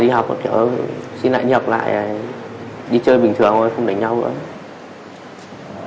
đi chơi bình thường thôi không đánh nhau nữa